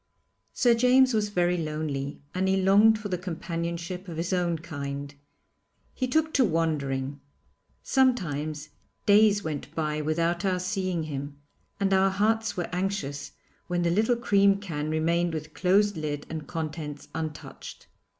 Sir James was very lonely and he longed for the companionship of his own kind. He took to wandering. Sometimes days went by without our seeing him, and our hearts were anxious when the little cream can remained with closed lid and contents untouched.